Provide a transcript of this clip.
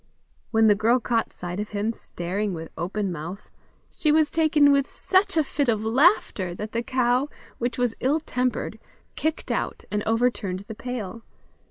When the girl caught sight of him, staring with open mouth, she was taken with such a fit of laughter, that the cow, which was ill tempered, kicked out, and overturned the pail.